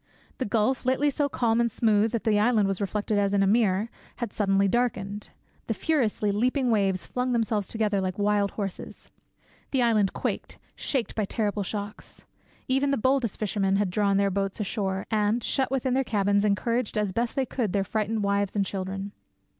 The gulf, lately so calm and smooth that the island was reflected as in a mirror, had suddenly darkened; the furiously leaping waves flung themselves together like wild horses; the island quaked, shaken by terrible shocks. Even the boldest fishermen had drawn their boats ashore, and, shut within their cabins, encouraged as best they could their frightened wives and children.